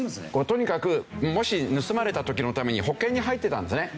とにかくもし盗まれた時のために保険に入ってたんですね。